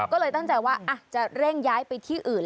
ก็เลยตั้งใจว่าจะเร่งย้ายไปที่อื่น